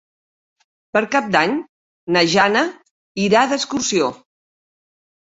Per Cap d'Any na Jana irà d'excursió.